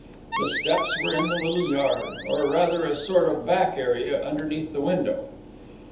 The steps were in the little yard, or rather a sort of back area, underneath the window.